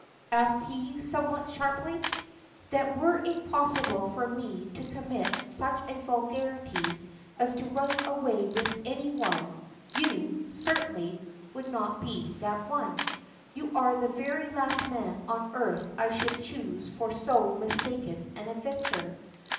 ask he, somewhat sharply. "That were it possible for me to commit such a vulgarity as to run away with any one, you, certainly, would not be that one. You are the very last man on earth I should choose for so mistaken an adventure.